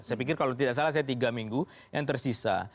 saya pikir kalau tidak salah saya tiga minggu yang tersisa